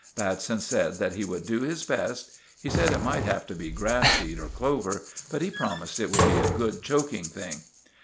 Batson said that he would do his best. He said it might have to be grass seed or clover, but he promised it should be a good choking thing.